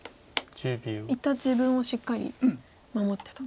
一旦自分をしっかり守ってと。